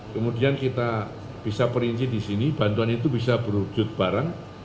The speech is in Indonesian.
kemudian kita bisa perinci di sini bantuan itu bisa berwujud barang